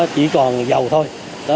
chỉ còn dầu thôi